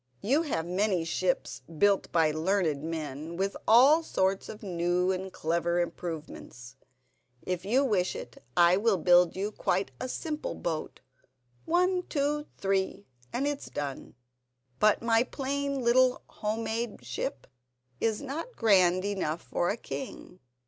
You have many ships built by learned men, with all sorts of new and clever improvements. If you wish it I will build you quite a simple boat—one, two, three, and it's done! But my plain little home made ship is not grand enough for a king.